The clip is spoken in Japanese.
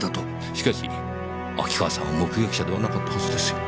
しかし秋川さんは目撃者ではなかったはずですよ。